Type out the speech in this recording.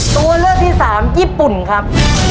ตัวเลือกที่สามญี่ปุ่นครับ